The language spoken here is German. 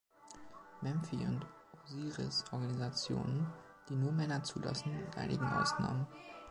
Memphi und Osiris Organisationen, die nur Männer zulassen, mit einigen Ausnahmen.